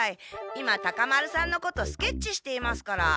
今タカ丸さんのことスケッチしていますから。